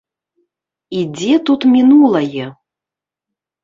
І дзе тут мінулае?